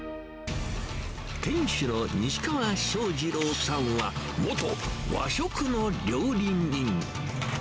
店主の西川正次郎さんは、元和食の料理人。